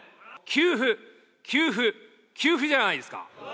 給付、給付、給付じゃないですか。